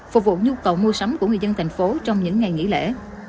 phục vụ nhu cầu mua sắm của người dân tp hcm trong những ngày nghỉ lễ